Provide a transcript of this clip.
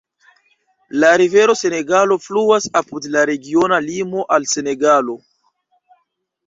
La Rivero Senegalo fluas apud la regiona limo al Senegalo.